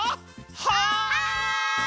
はい！